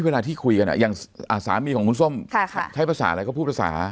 เวลาที่คุยกันอย่างสามีของคุณส้มใช้ภาษาอะไรก็พูดภาษา